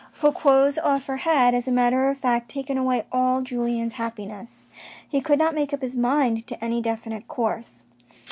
Fouque's offer had, as a matter of fact, taken away all Julien's happiness ; he could not make up his mind to any definite course.